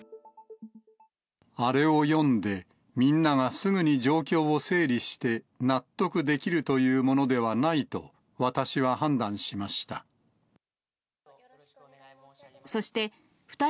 あれを読んで、みんながすぐに状況を整理して、納得できるというものではないと、私は判断しました。